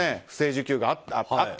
不正受給があった。